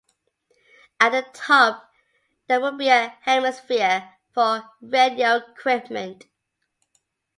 At the top, there would be a hemisphere for radio equipment.